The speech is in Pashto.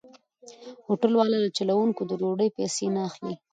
هوټل والا له چلوونکو د ډوډۍ پيسې نه اخلي.